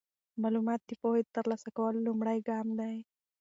معلومات د پوهې د ترلاسه کولو لومړی ګام دی.